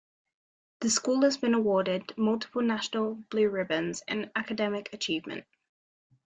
The school has been awarded multiple national blue ribbons in academic achievement.